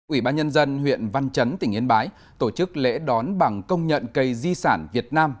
ủy ban nhân dân huyện văn chấn tỉnh yên bái tổ chức lễ đón bằng công nhận cây di sản việt nam